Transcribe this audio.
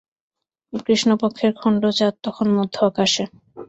কৃষ্ণপক্ষের খণ্ড চাঁদ তখন মধ্য-আকাশে।